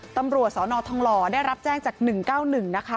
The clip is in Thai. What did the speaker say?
ตำรวจสนทองหล่อได้รับแจ้งจาก๑๙๑นะคะ